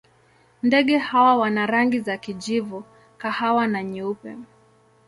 Ndege hawa wana rangi za kijivu, kahawa na nyeupe.